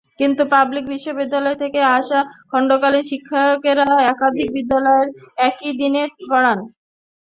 কিন্তু পাবলিক বিশ্ববিদ্যালয় থেকে আসা খণ্ডকালীন শিক্ষকেরা একাধিক বিশ্ববিদ্যালয়ে একই দিনে পড়ান।